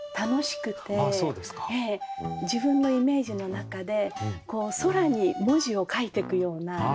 自分のイメージの中で空に文字を書いてくような。